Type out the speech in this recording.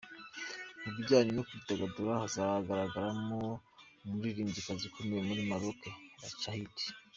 Mu bijyanye no kwidagadura, hazagaragaramo umuririmbyikazi ukomoka muri Maroc, Nachaydi.